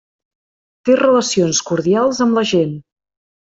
Té relacions cordials amb la gent.